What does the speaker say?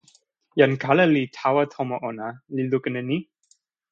jan kala li tawa tomo ona, li lukin e ni: